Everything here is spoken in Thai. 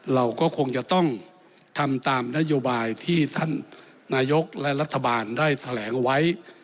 เราก็คงจะต้องทำตามนโยบายที่ท่านนายกและรัฐบาลได้แถลงไว้